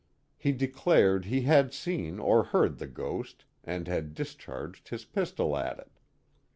He de clared he had seen or heard the ghost and had discharged his pistol at it.